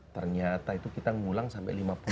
ternyata itu kita ngulang sampe lima puluh second